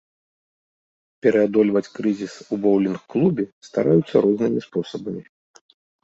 Пераадольваць крызіс у боўлінг-клубе стараюцца рознымі спосабамі.